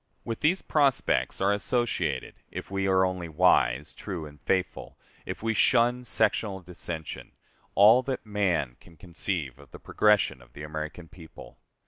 With these prospects are associated if we are only wise, true, and faithful, if we shun sectional dissension all that man can conceive of the progression of the American people.